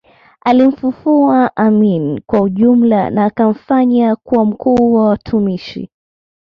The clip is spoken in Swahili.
Alimfufua Amin kwa ujumla na akamfanya kuwa mkuu wa watumishi